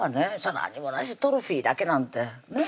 何にもなしトロフィーだけなんてねぇ？